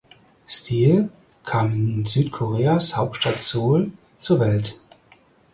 Steel kam in Südkoreas Hauptstadt Seoul zur Welt.